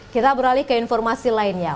kita beralih ke informasi lainnya